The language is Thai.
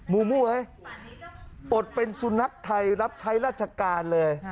มูมูเฮ้ยอดเป็นสุนัขไทยรับใช้ราชการเลย